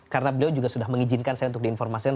karena beliau juga sudah mengizinkan saya untuk diinformasikan